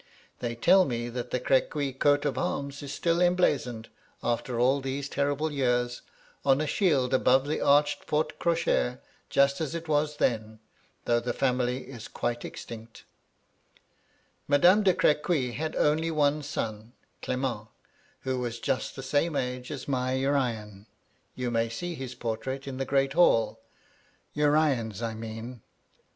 They tell me that the Crequy coat of arms is still emblazoned, after all these terrible years, on a shield above the arched porte cochere, just as it was then, though the family is quite extinct Madam de Crequy had only one son, Clement, who was just the same age as my Urian — ^you may see his portrait in the great hall — Urian's, I MY LADY LUDLOW. 97 mean."